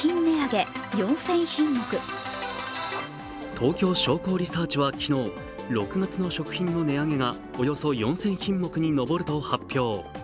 東京商工リサーチは昨日、６月の食品の値上げがおよそ４０００品目に上ると発表。